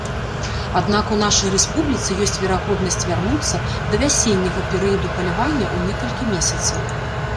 Аднак у нашай рэспубліцы ёсць верагоднасць вярнуцца да вясенняга перыяду палявання ў некалькі месяцаў.